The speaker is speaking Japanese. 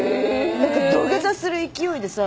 何か土下座する勢いでさ。